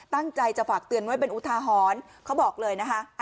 ตั้งใจจะฝากเตือนไว้เป็นอุทาหรณ์เขาบอกเลยนะคะ